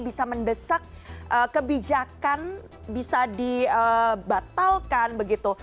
bisa mendesak kebijakan bisa dibatalkan begitu